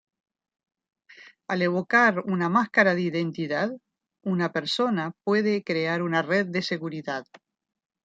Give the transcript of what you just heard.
Al evocar una máscara de identidad, una persona puede crear una red de seguridad.